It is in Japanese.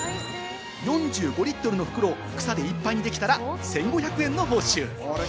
４５リットルの袋、草でいっぱいにできたら１５００円の報酬。